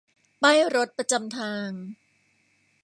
ป้ายรถประจำทาง